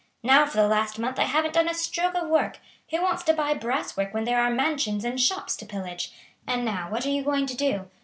Now for the last month I haven't done a stroke of work. Who wants to buy brass work when there are mansions and shops to pillage? And now, what are you going to do?